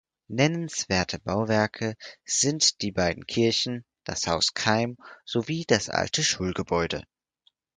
Nennenswerte Bauwerke sind die beiden Kirchen, das Haus Keim, sowie das alte Schulgebäude.